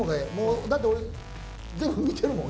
だって俺全部見てるもん